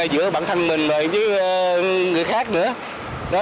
giữa bản thân mình với người khác nữa